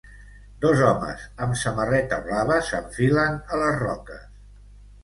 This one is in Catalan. Dos homes amb samarreta blava s'enfilen a les roques.